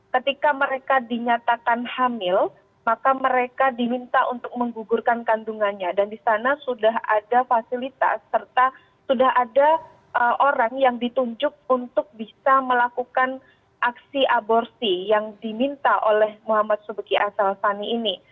ketika mereka dinyatakan hamil maka mereka diminta untuk menggugurkan kandungannya dan disana sudah ada fasilitas serta sudah ada orang yang ditunjuk untuk bisa melakukan aksi aborsi yang diminta oleh muhammad subeki asal sani ini